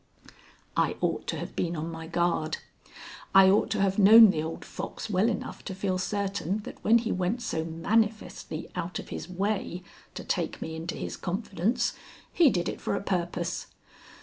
I ought to have been on my guard. I ought to have known the old fox well enough to feel certain that when he went so manifestly out of his way to take me into his confidence he did it for a purpose.